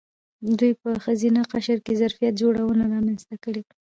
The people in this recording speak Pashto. دوی په ښځینه قشر کې ظرفیت جوړونه رامنځته کړې.